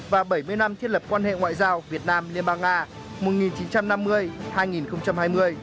và bảy mươi năm thiết lập quan hệ ngoại giao việt nam liên bang nga